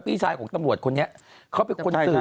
พี่ชายของตำรวจคนนี้เขาเป็นคนไทย